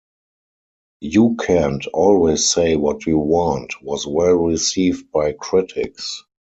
"You Kent Always Say What You Want" was well received by critics.